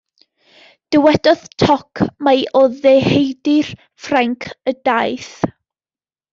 Dywedodd toc mai o ddeheudir Ffrainc y daeth.